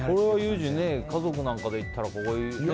ユージ家族なんかで行ったらね。